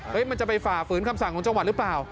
มันจะไปฝ่าฝืนคำสั่งของจังหวัดหรือเปล่า